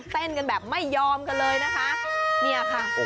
เต้นกันแบบไม่ยอมกันเลยนะคะเนี่ยค่ะ